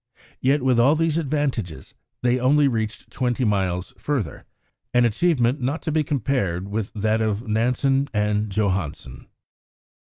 Yet with all these advantages they only reached twenty miles further, an achievement not to be compared with that of Nansen and Johansen.